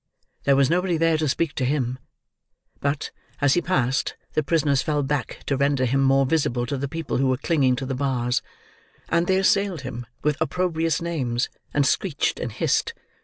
There was nobody there to speak to him; but, as he passed, the prisoners fell back to render him more visible to the people who were clinging to the bars: and they assailed him with opprobrious names, and screeched and hissed.